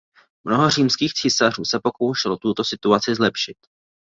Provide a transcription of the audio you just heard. Mnoho římských císařů se pokoušelo tuto situaci zlepšit.